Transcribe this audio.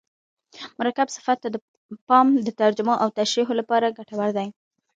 مرکب صفت ته پام د ترجمو او تشریحو له پاره ګټور دئ.